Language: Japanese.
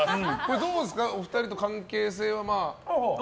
どうですか、お二人と関係性は。